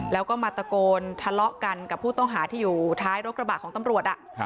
แล้วก็มาตะโกนทะเลาะกันกับผู้ต้องหาที่อยู่ท้ายรถกระบะของตำรวจ